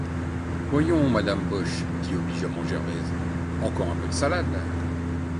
Voyons, madame Boche, dit obligeamment Gervaise, encore un peu de salade.